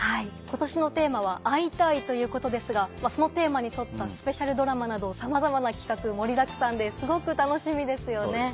今年のテーマは「会いたい！」ということですがそのテーマに沿ったスペシャルドラマなどさまざまな企画盛りだくさんですごく楽しみですよね。